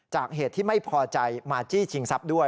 เหตุที่ไม่พอใจมาจี้ชิงทรัพย์ด้วย